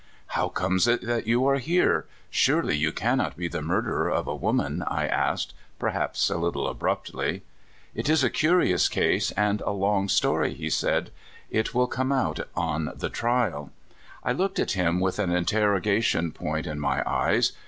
" How comes it that you are here? Surely you cannot be the murderer of a woman?" I asked, perhaps a little abruptly. " It is a curious case, and a long story," he said; " it will all come out on the trial." I looked at him with an interrogation point in my eyes.